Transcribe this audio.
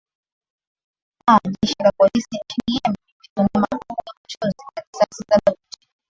aa jeshi la polisi nchini yemen limetumia mabomu ya machozi na risasi za baruti